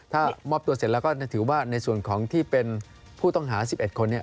ถ้ามอบตัวเสร็จแล้วก็ถือว่าในส่วนของที่เป็นผู้ต้องหา๑๑คน